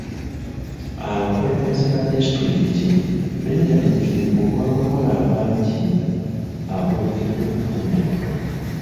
Abakulembeze ba disitulikiti beeraliikirivu olw'abawala abangi aboolekedde okufuna embuto.